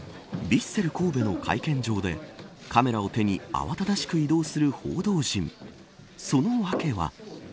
ヴィッセル神戸の会見場でカメラを手に慌ただしく移動する報道陣。